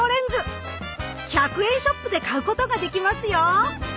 １００円ショップで買うことができますよ。